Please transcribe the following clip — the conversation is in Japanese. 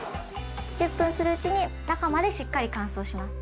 １０分するうちに中までしっかり乾燥します。